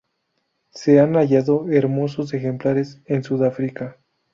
Se han hallado hermosos ejemplares en Sudáfrica.